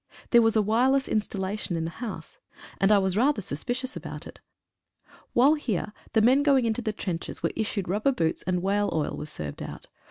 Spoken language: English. There was a wireless installation in the house, and I was 33 FROST BITE? rather suspicious about it. While here the men going into the trenches were issued rubber boots, and whale oil was served out.